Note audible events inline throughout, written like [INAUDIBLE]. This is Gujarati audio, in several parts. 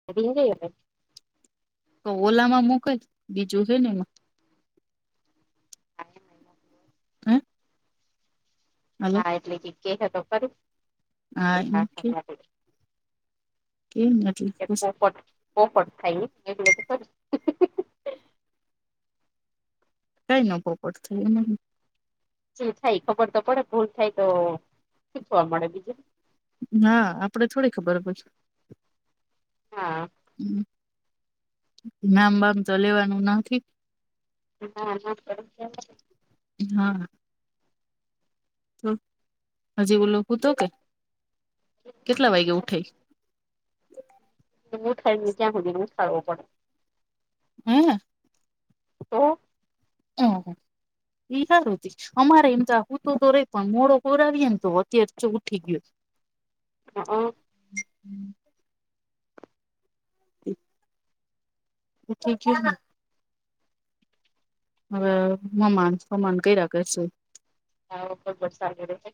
[UNINTELLIGIBLE] ક ઓલા માં મોકલ બીજું છે ને એમાં [INAUDIBLE] [UNINTELLIGIBLE] હાલો હા એટલે કે ક તો ખરું હા એ કે કે એ પોફટ પોફટ થાય એ સ કઈ ન ભપટ થાય એ લ થાય ખબર તો પડે ભૂલ થાય તો શીખવા મળે બીજું. હા આપડે થોડી ખબર પ હા. નામબામ તો લેવાનું નથી. ના ના હા તો હજી ઓલોું તો કે કેટલા વાગે ઉઠાય. હું થનેજ્યાં સુધી મું સારું પડ હમ. ઓ હહ ઈહા રોથી. અમારે એમ તો હું તો તો રહી પણ મોડો કોર આવીએ ને તો અત્યારે ઉઠી ગયો. હ ઓ હ ઠીક છે હ હવે હમાન હમાન ક્યા કરશું. હા ખબર સા ર છે.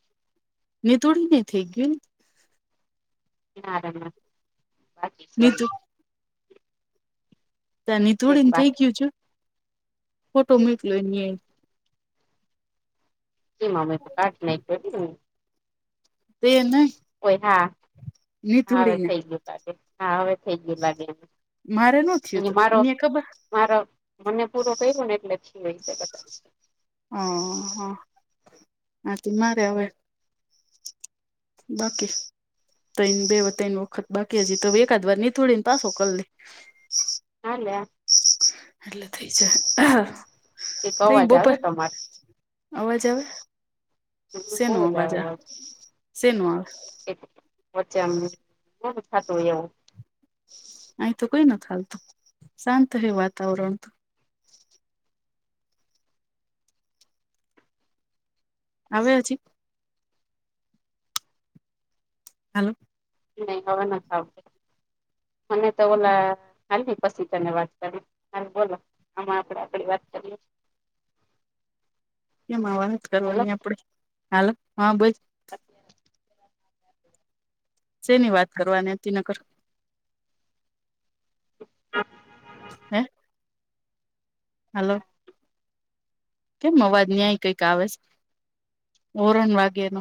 ને તોોડી નઈ થઈ ગયું ને નારા બાકી ને છે. નિધુ તની એક થોડી ને થઈ બાકી ગયું છે ફોટો મોકલો એ એ મામ તો કટનેટ બે ન હોય હા હવે ને થઈ ગયું તજે હા હવે થઈ ગયું લાગે મારે ન થયું અહીં તું મારો. એને ખબર મારો મને પૂરો કર્યો ને એટલેખી હોય છે બધા છે. હ હા આા મારે હવે. બાકી. તને બે ત વખત બાકી હજી તો એકાદ વાર નીથોળી ને પાછો કરી લે હેલો. એટલે થ જ હ એક તઈ અવાજ આવે બપર તમારો અવાજ આવે શે બહુ ન જ અવાજ આવે શે ન આવે. એ વછ્યામ હ પ થા તોું એવું અ તો કઈ નાલતું શાંતયું વાતાવરણ તો આવે હજી. હલો. એ હવે નાખ આપ મને તો ઓલા હાલ પછી તને વાત કરી હાલ બોલો આમાં આપડે આપડી વાત કરીએ કેમાં વાત હાલો કરવાની આપડે હાલો હા બસ અ તેેની વાત કરો અને ન કરર હા હે હલો કેમ અવાજ ન્યાય કઈક આવે છે ઓરણ વાગે નો